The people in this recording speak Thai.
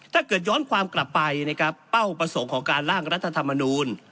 ถ้าเกิดย้อนความกลับไปนะครับเป้าประสงค์ของการล่างรัฐธรรมนูล